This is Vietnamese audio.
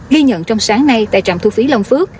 ghi nhận trong sáng nay tại trạm thu phí long phước